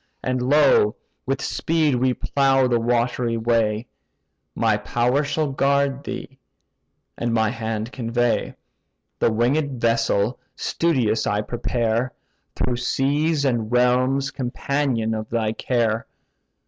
And lo, with speed we plough the watery way; My power shall guard thee, and my hand convey: The winged vessel studious I prepare, Through seas and realms companion of thy care.